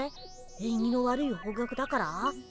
えんぎの悪い方角だから？